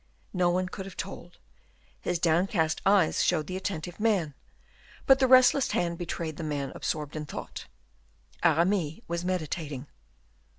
No one could have told; his downcast eyes showed the attentive man, but the restless hand betrayed the man absorbed in thought Aramis was meditating.